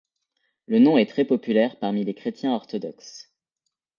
Le nom est très populaire parmi les chrétiens orthodoxes.